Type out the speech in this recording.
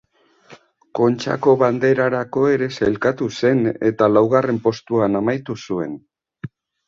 Kontxako Banderarako ere sailkatu zen eta laugarren postuan amaitu zuen.